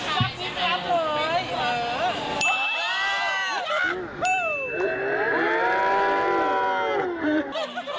กินกับเลย